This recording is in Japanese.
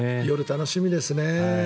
夜、楽しみですね。